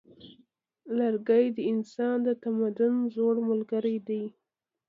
لرګی د انسان د تمدن زوړ ملګری دی.